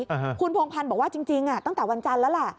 อ่าฮะคุณพงพันธ์บอกว่าจริงจริงอ่ะตั้งแต่วันจันทร์แล้วแหละ